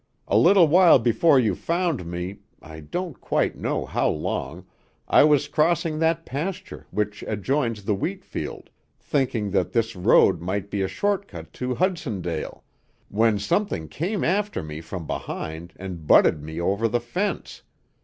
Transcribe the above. "A little while before you found me I don't quite know how long I was crossing that pasture which adjoins the wheat field, thinking that this road might be a short cut to Hudsondale, when something came after me from behind and butted me over the fence.